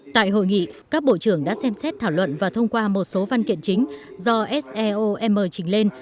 tại hội nghị các bộ trưởng đã xem xét thảo luận và thông qua một số văn kiện chính do seom trình lên